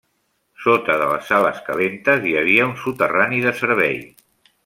Sota de les sales calentes hi havia un soterrani de servei.